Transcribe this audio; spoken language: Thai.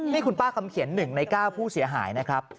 นี่คุณป้าคำเขียน๑ใน๙ผู้เสียหายนะครับ